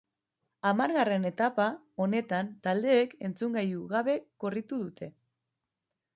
Hamargarren etapa honetan taldeek entzungailu gabe korritu dute.